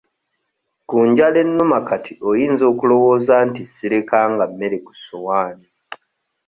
Ku njala ennuma kati oyinza okulowooza nti sirekanga mmere ku ssowaani.